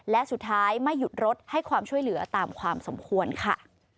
และสุดท้ายไม่หยุดรถให้ความช่วยเหลือตามความสมควรค่ะ